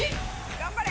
頑張れ！